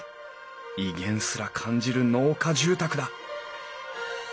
威厳すら感じる農家住宅だ